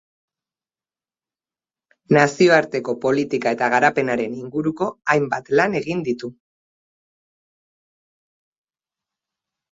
Nazioarteko politika eta garapenaren inguruko hainbat lan egin ditu.